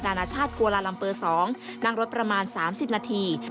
นานาชาติกัวลาลัมเปอร์๒นั่งรถประมาณ๓๐นาที